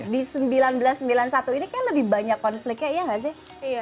di seribu sembilan ratus sembilan puluh satu ini kan lebih banyak konfliknya iya nggak sih